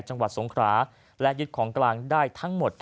จังหวัดสงคราและยึดของกลางได้ทั้งหมด